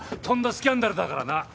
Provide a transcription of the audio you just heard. とんだスキャンダルだからな。